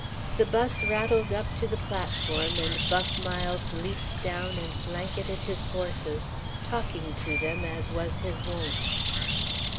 The 'bus rattled up to the platform and Buff Miles leaped down and blanketed his horses, talking to them as was his wont.